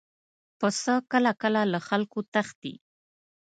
پسه کله کله له خلکو تښتي.